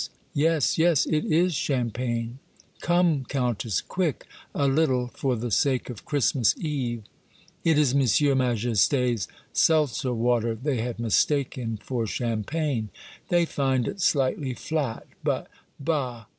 *' Yes, yes, it is champagne ! Come, Countess, quick ! a Httle for the sake of Christmas eve !" It is M. Majesty's seltzer water they have mis taken for champagne. They find it slightly flat, but — bah!